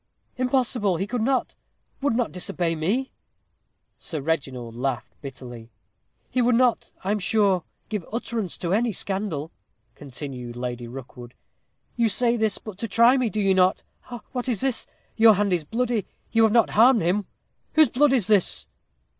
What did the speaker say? "Impossible! He could not would not disobey me." Sir Reginald laughed bitterly. "He would not, I am sure, give utterance to any scandal," continued Lady Rookwood. "You say this but to try me, do you not? ha! what is this? Your hand is bloody. You have not harmed him? Whose blood is this?"